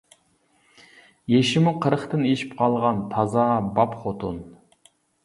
-يېشىمۇ قىرىقتىن ئېشىپ قالغان، تازا باب خوتۇن.